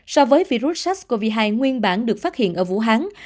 so với virus sars cov hai nguyên bản được phát hiện ở vũ hán